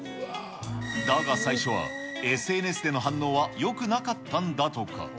だが、最初はＳＮＳでの反応はよくなかったんだとか。